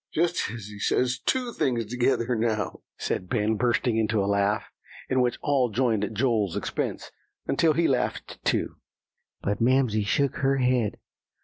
"Just as he says two thing together now," said Ben, bursting into a laugh, in which all joined at Joel's expense, until he laughed too. "But Mamsie shook her head.